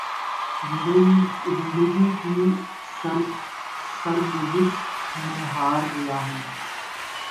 زندگی کی سرگزشت میں ہار گیا ہوں۔